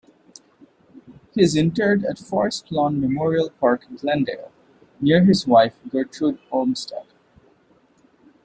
He is interred at Forest Lawn Memorial Park, Glendale, near his wife, Gertrude Olmstead.